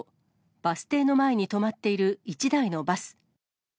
バス停の前に止まっている一台のバス。